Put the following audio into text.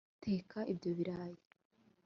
teka ibyo birayi